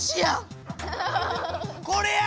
これや！